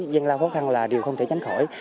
dân lao khó khăn là điều không thể tránh khỏi